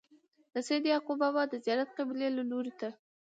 د سيد يعقوب بابا د زيارت قبلې لوري ته